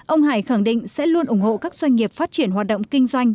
ông hải khẳng định sẽ luôn ủng hộ các doanh nghiệp phát triển hoạt động kinh doanh